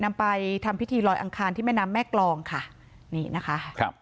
นำไปทำพิธีลอยอังคารที่แม่น้ำแม่กรองค่ะนี่นะคะครับ